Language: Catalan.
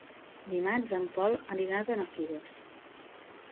Dimarts en Pol anirà a Benafigos.